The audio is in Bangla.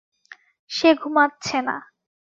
সে ঘুমাচ্ছে না।